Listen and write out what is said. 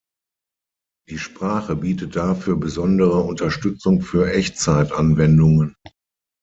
Die Sprache bietet dafür besondere Unterstützung für Echtzeitanwendungen.